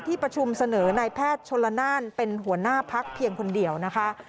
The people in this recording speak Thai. ประชุมเสนอนายแพทย์ชนละนานเป็นหัวหน้าพักเพียงคนเดียวนะคะ